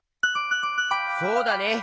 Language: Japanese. そうだね。